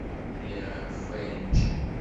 Riɣ akeffay n ccikula.